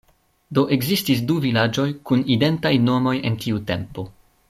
Do ekzistis du vilaĝoj kun identaj nomoj en tiu tempo.